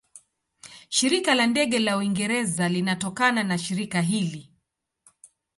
Shirika la Ndege la Uingereza linatokana na shirika hili.